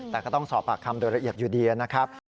แต่ก็ต้องสอบปากคำโดยละเอียดอยู่ดีนะครับ